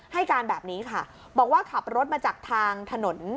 ให้การแบบนี้ค่ะบอกว่าขับรถมาจากทางถนน